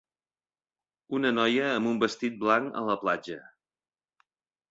Una noia amb un vestit blanc a la platja.